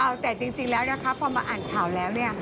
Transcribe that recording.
เอาแต่จริงแล้วนะคะพอมาอ่านข่าวแล้วเนี่ย